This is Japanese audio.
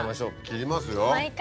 切りますよ。